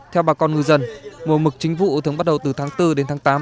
theo bà con ngư dân mùa mực chính vụ thường bắt đầu từ tháng bốn đến tháng tám